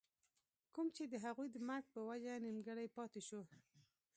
کوم چې َد هغوي د مرګ پۀ وجه نيمګري پاتې شو